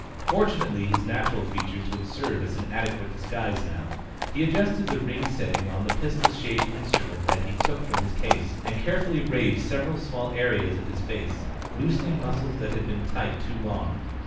Fortunately his natural features would serve as an adequate disguise now. He adjusted the ring setting on the pistol shaped instrument that he took from his case, and carefully rayed several small areas of his face, loosening muscles that had been tight too long.